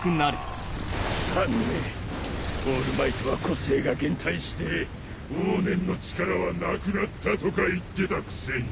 オールマイトは個性が減退して往年の力はなくなったとか言ってたくせに。